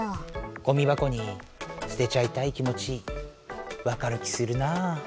ゴミ箱にすてちゃいたい気もちわかる気するなぁ。